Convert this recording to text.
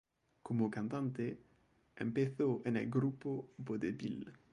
Como cantante, empezó en el grupo Vodevil.